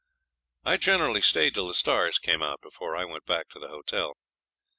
I generally stayed till the stars came out before I went back to the hotel.